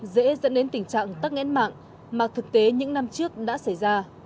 dễ dẫn đến tình trạng tắc nghẽn mạng mà thực tế những năm trước đã xảy ra